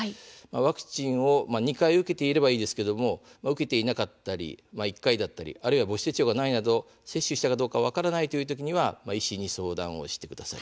ワクチンを２回受けていればいいんですが受けていなかったり１回だったりあるいは母子手帳がないなど接種したかどうか分からないという時は医師に相談してください。